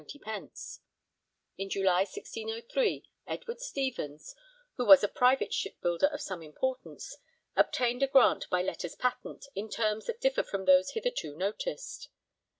_ In July 1603 Edward Stevens, who was a private shipbuilder of some importance, obtained a grant by letters patent in terms that differ from those hitherto noticed.